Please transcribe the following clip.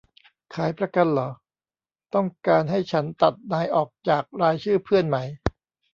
ขายประกันหรอ ต้องการให้ฉันตัดนายออกจากรายชื่อเพื่อนไหม